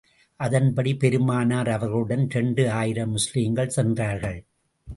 அதன்படி பெருமானார் அவர்களுடன் இரண்டு ஆயிரம் முஸ்லிம்கள் சென்றார்கள்.